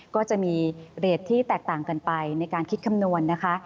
ก็จะมีเรทที่แตกต่างกันไปในการคิดคำนวณนะคะ